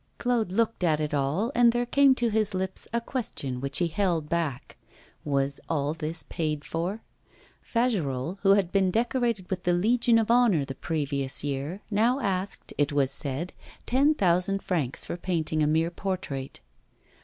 Claude looked at it all, and there came to his lips a question which he held back Was all this paid for? Fagerolles, who had been decorated with the Legion of Honour the previous year, now asked, it was said, ten thousand francs for painting a mere portrait.